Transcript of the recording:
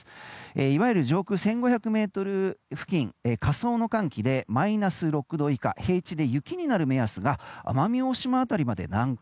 いわゆる上空１５００ｍ付近下層の寒気でマイナス６度以下平地で雪になる目安が奄美大島辺りまで南下。